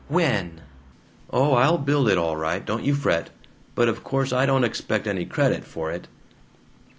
"When?" "Oh, I'll build it all right, don't you fret! But of course I don't expect any credit for it."